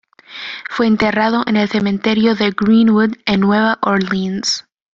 Fue enterrado en el cementerio de Greenwood en Nueva Orleans.